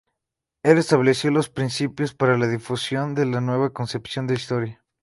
El estableció los principios para la difusión de la nueva concepción de historia.